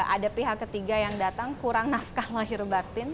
ada pihak ketiga yang datang kurang nafkah lahir batin